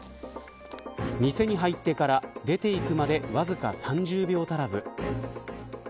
店に入ってから出て行くまでわずか３０秒足らず。